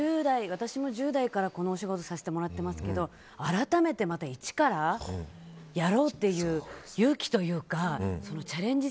私も１０代からこのお仕事させてもらってますけど改めてまた一からやろうという勇気というかチャレンジ